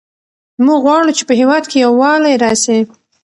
موږ غواړو چې په هېواد کې یووالی راسي.